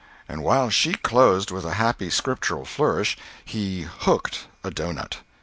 And while she closed with a happy Scriptural flourish, he "hooked" a doughnut.